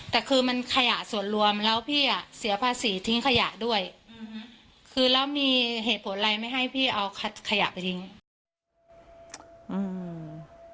แต่คือมันขยะส่วนรวมแล้วพี่อ่ะเสียภาษีทิ้งขยะด้วยอืมคือแล้วมีเหตุผลอะไรไม่ให้พี่เอาขยะไปทิ้งอืม